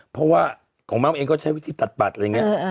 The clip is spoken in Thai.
เพราะว่าของเม้าเองก็ใช้วิธีตัดบัตรอะไรอย่างนี้